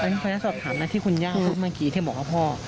มีคนอยากสอบถามนะที่คุณย่าเขาเมื่อกี้ที่บอกว่าพ่อ